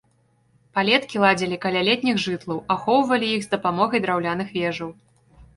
Палеткі ладзілі каля летніх жытлаў, ахоўвалі іх з дапамогай драўляных вежаў.